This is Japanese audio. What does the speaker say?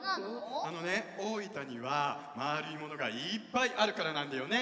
あのね大分にはまるいものがいっぱいあるからなんだよねワンワン。